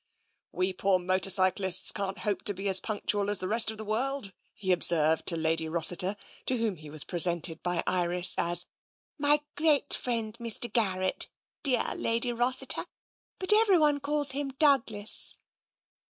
" We poor motor cyclists can't hope to be as punc tual as the rest of the world," he observed to Lady Rossiter, to whom he was presented by Iris as " My great friend, Mr. Garrett, dear Lady Rossiter, but everyone calls him Douglas."